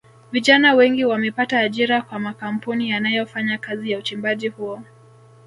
Vijana wengi wamepata ajira kwa makampuni yanayofanya kazi ya uchimbaji huo